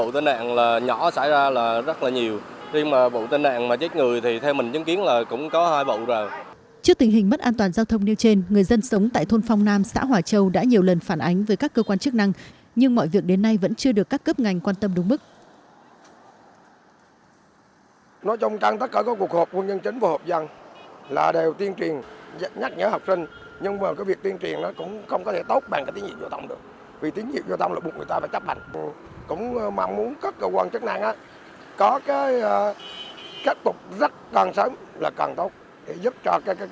trước tình hình mất an toàn giao thông nêu trên người dân sống tại thôn phong nam xã hòa châu đã nhiều lần phản ánh với các cơ quan chức năng nhưng mọi việc đến nay vẫn chưa được các cấp ngành quan tâm đúng mức